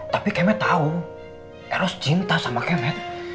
tapi keme tau eros cinta sama keme